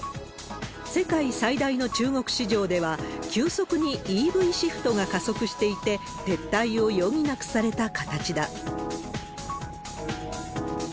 世界最大の中国市場では、急速にＥＶシフトが加速していて、撤退を余儀なくされた形だ。